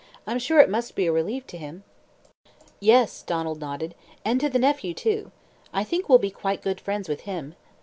"I'm sure it must be a relief to him." "Yes," Donald nodded, "and to the nephew too. I think we'll be quite good friends with him.